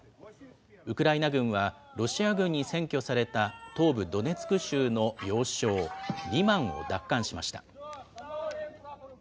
ウクライナ軍は、ロシア軍に占拠された東部ドネツク州の要衝、リマンを奪還しました。